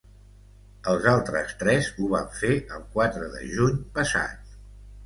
Els altres tres ho van fer el quatre de juny passat.